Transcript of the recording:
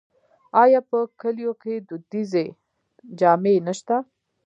آیا په کلیو کې دودیزې جامې نشته؟